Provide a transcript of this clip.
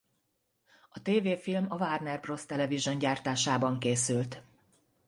A tévéfilm a Warner Bros. Television gyártásában készült.